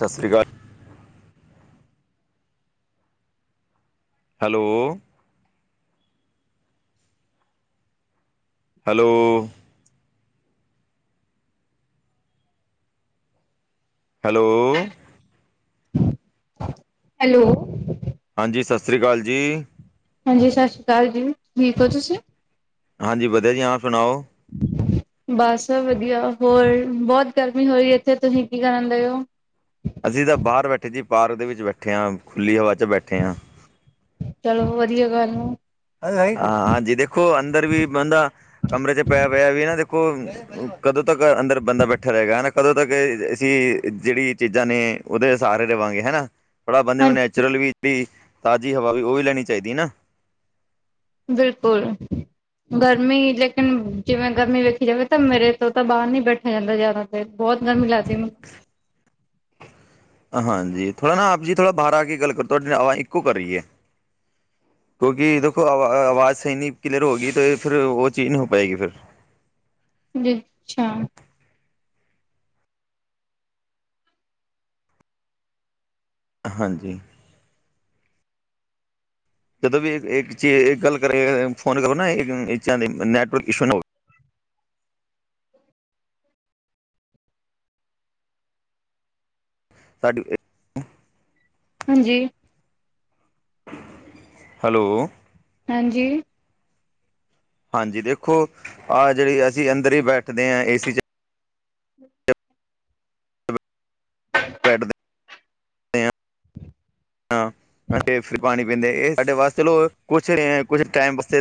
ਸਤਿ ਸ਼੍ਰੀ ਅਕਾਲ। Hello hello. Hello hello. ਹਾਂਜੀ, ਸਤਿ ਸ਼੍ਰੀ ਅਕਾਲ ਜੀ। ਹਾਂਜੀ, ਸਤਿ ਸ਼੍ਰੀ ਅਕਾਲ ਜੀ, ਠੀਕ ਹੋ ਤੁਸੀ। ਹਾਂਜੀ, ਵਧੀਆ ਜੀ, ਹਾਂ ਸੁਣਾਓ। ਬਸ ਵਧੀਆ, ਹੋਰ ਬਹੁਤ ਗਰਮੀ ਹੋ ਰਹੀ ਇੱਥੇ, ਤੁਸੀਂ ਕੀ ਕਰਨਦੇ ਹੋ। ਅਸੀਂ ਤਾਂ ਬਾਹਰ ਬੈਠੇ ਜੀ, ਪਾਰਕ ਦੇ ਵਿੱਚ ਬੈਠੇ ਹਾਂ, ਖੁੱਲੀ ਹਵਾ ਚ ਬੈਠੇ ਹਾਂ। ਚਲੋ ਵਧੀਆ ਗੱਲ ਹੈ। ਹਾਂ ਹਾਂਜੀ, ਦੇਖੋ ਅੰਦਰ ਵੀ ਬੰਦਾ ਕਮਰੇ ਚ ਪਿਆ ਪਿਆ ਵੀ ਨਾ ਦੇਖੋ ਕਦੋਂ ਤੱਕ ਅੰਦਰ ਬੰਦਾ ਬੈਠਾ ਰਹੇਗਾ ਹੈਨਾ ਕਦੋਂ ਤੱਕ ਅਸੀਂ ਜਿਹੜੀ ਚੀਜ਼ਾਂ ਨੇ ਉਹਦੇ ਸਹਾਰੇ ਰਵਾਂਗੇ ਹਨਾ, ਥੋੜਾ ਬੰਦੇ ਨੂੰ ਹਾਂਜੀ ਨੈਚੁਰਲ ਵੀ ਜਿਹੜੀ ਤਾਜ਼ੀ ਹਵਾ ਵੀ ਉਹ ਵੀ ਲੈਣੀ ਚਾਹੀਦੀ ਨਾ। ਬਿਲਕੁਲ ਗਰਮੀ ਲੇਕਿਨ, ਜਿਵੇ ਗਰਮੀ ਵੇਖੀ ਜਾਵੇ ਤਾ ਮੇਰੇ ਤੋਂ ਤਾ ਬਾਹਰ ਨੀ ਬੈਠਿਆ ਜਾਂਦਾ ਜਿਆਦਾ। ਤੇ ਬਹੁਤ ਗਰਮੀ ਲਗਦੀ ਮੈਨੂੰ। ਹਾਂਜੀ, ਥੋੜਾ ਨਾ ਆਪ ਜੀ, ਥੋੜਾ ਬਾਹਰ ਆ ਕੇ ਗੱਲ ਕਰੋ ਤੁਹਾਡੀ ਨਾ ਆਵਾਜ ਇੱਕੋ ਕਰ ਰਹੀ ਹੈ। ਕਿਉਂਕਿ ਦੇਖੋ ਆਵਾ ਆਵਾਜ ਸਹੀ ਨਹੀ ਕਲੀਅਰ ਹੋ ਗਈ ਤੇ ਫਿਰ ਉਹ ਚੀਜ ਨਹੀਂ ਹੋ ਪਾਏਗੀ ਫੇਰ। ਅੱਛਾ। ਹਾਂਜੀ। ਜਦੋਂ ਵੀ ਇਕ ਚੀਜ਼ ਗੱਲ ਕਰੇ, ਫੋਨ ਕਰੋ ਨਾ [unintelligible] ਨੈਟਵਰਕ ਇਸ਼ੂ ਨੂੰ। ਸਾਡੇ ਤੇ ਹਾਂਜੀ। ਹੈਲੋ। ਹਾਂਜੀ। ਹਾਂਜੀ, ਦੇਖੋ ਆਹ ਜਿਹੜੀ ਅਸੀ ਅੰਦਰ ਹੀ ਬੈਠਦੇ ਹਾਂ ਏਸੀ ਚ। [inaudible] [unintelligible] ਕਹਿੰਦੇ ਇਹ ਸਾਡੇ ਵਾਸਤੇ ਚਲੋ ਪੁਛ ਰਹੇ ਹੈ, ਕੁਝ ਟਾਈਮ ਵਾਸਤੇ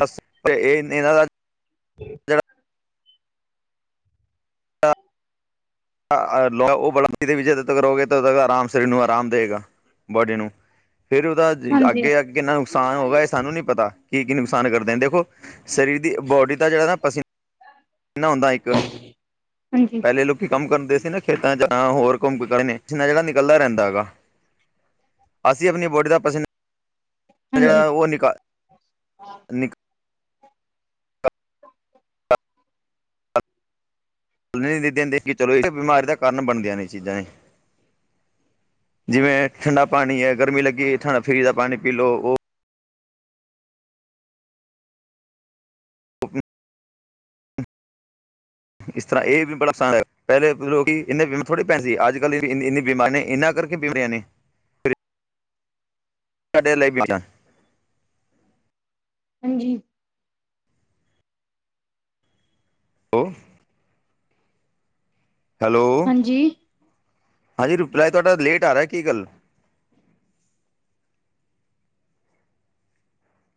ਇਹ ਮੇਰਾ ਜਿਹੜਾ [unintelligible] ਜਦੋਂ ਤੱਕ ਰਹੋਗੇ ਤਦੋਂ ਤੱਕ ਆਰਾਮ ਸਰੀਰ ਨੂੰ ਆਰਾਮ ਦੇਵੇਗਾ। ਬੋਡੀ ਨੂੰ, ਫੇਰ ਉਹਦਾ ਹਾਂਜੀ, ਅੱਗੇ ਅ ਕਿੰਨਾ ਨੁਕਸਾਨ ਹੋਊਗਾ ਇਹ ਸਾਨੂੰ ਨੀ ਪਤਾ, ਕੀ-ਕੀ ਨੁਕਸਾਨ ਕਰਦੇ, ਦੇਖੋ ਸਰੀਰ ਦੀ ਬੋਡੀ ਤਾਂ ਜਿਹੜਾ ਨਾ ਪਸੀ ਨਾ ਹੁੰਦਾ ਇੱਕ, ਹਾਂਜੀ, ਪਹਿਲੇ ਲੋਕ ਕੰਮ ਕਰਦੇ ਸੀ ਨਾ ਖੇਤਾਂ ਚ, ਨਾਲ ਉਹ ਹੋਰ ਕਮ ਕਰਨ ਨੇ ਪਸੀਨਾ ਜਿਹੜਾ ਨਿਕਲਦਾ ਰਹਿੰਦਾ ਹੈਗਾ। ਅਸੀਂ ਆਪਣੀ ਬੋਡੀ ਦਾ ਪਸੀਨਾ ਜਿਹੜਾ ਉਹ ਨਿਕਾਲ ਨਿਕ ਨਹੀ ਦਿੰਦੇ, ਕਿ ਚਲੋ ਇਹ ਬਿਮਾਰੀ ਦਾ ਕਾਰਨ ਬਣਦੀਆਂ ਨੇ ਚੀਜਾ ਏ। ਜਿਵੇ ਏ ਠੰਡਾ ਪਾਣੀ ਹੈ, ਗਰਮੀ ਲਗੀ ਫਰਿਜ ਦਾ ਪਾਣੀ ਪੀ ਲਉ ਉਹ [unintelligible] [unintelligible] ਇਸ ਤਰ੍ਹਾਂ ਇਹ ਵੀ ਬੜਾ ਅਸਾਨ ਹੈ, ਪਹਿਲੇ ਲੋਕੀ ਇਨੇ ਬੀਮਾ ਥੋੜ੍ਹੇ ਪੇ ਸੀ, ਅੱਜ ਕੱਲ ਇੰਨੀ ਬਿਮਾਰ ਨੇ ਇੰਨਾਂ ਕਰ ਕਿ ਬਿਮਾਰੀਆਂ ਨੇ ਸਾਡੇ ਲਈ ਬੀ ਹਾਂਜੀ। ਉਹ ਹੈਲੋ, ਹਾਂਜੀ। ਹਾਂਜੀ ਰਿਪਲਾਈ ਤੁਹਾਡਾ ਲੇਟ ਆ ਰਿਹਾ ਕੀ ਗੱਲ?